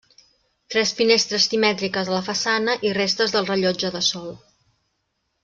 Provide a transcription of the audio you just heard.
Tres finestres simètriques a la façana i restes del rellotge de sol.